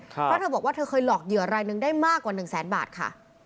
ถ้าเธอบอกว่าเธอเคยหลอกเหยื่ออะไรหนึ่งได้มากกว่า๑๐๐๐๐๐บาทค่ะ